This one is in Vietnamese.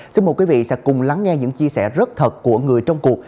xin mời quý vị sẽ cùng lắng nghe những chia sẻ rất thật của người trong cuộc